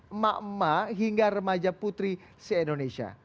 emak emak hingga remaja putri se indonesia